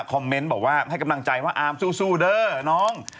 เมนต์บอกว่าให้กำลังใจว่าอามสู้เด้อน้อง